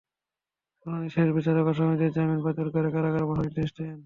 শুনানি শেষে বিচারক আসামিদের জামিন বাতিল করে কারাগারে পাঠানোর নির্দেশ দেন।